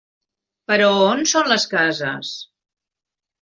Però on són les cases?